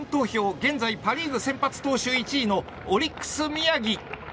現在パ・リーグ先発投手１位のオリックス宮城。